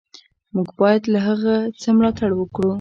موږ باید له هغه څه ملاتړ وکړو.